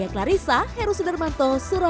kampung ketandan jawa timur